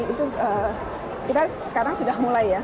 itu kita sekarang sudah mulai ya